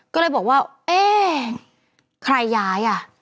ก็เลยบอกว่าเอ๊ะใครย้ายอ่ะ